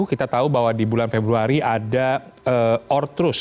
kita tahu bahwa di bulan februari ada ortrus